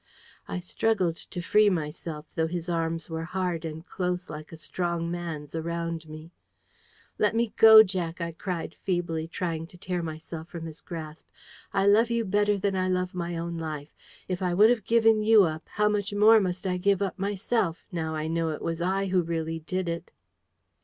I struggled to free myself, though his arms were hard and close like a strong man's around me. "Let me go, Jack!" I cried feebly, trying to tear myself from his grasp. "I love you better than I love my own life. If I would have given YOU up, how much more must I give up myself, now I know it was I who really did it!"